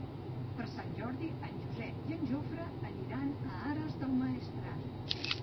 Per Sant Jordi en Josep i en Jofre aniran a Ares del Maestrat.